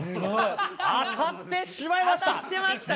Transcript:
当たってしまいました。